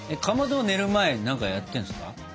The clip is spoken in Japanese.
かまどは寝る前になんかやってるんですか？